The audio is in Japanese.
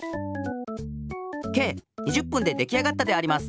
計２０ぷんでできあがったであります。